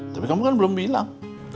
tapi kamu kan belum bilang